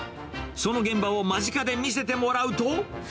その現場を間近で見せてもらうと。